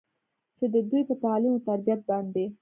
چې د دوي پۀ تعليم وتربيت باندې